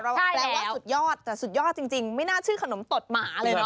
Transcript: แปลว่าสุดยอดแต่สุดยอดจริงไม่น่าชื่อขนมตดหมาเลยนะ